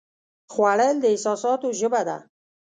خوړل د احساساتو ژبه ده